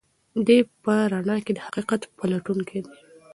دی په رڼا کې د حقیقت پلټونکی دی.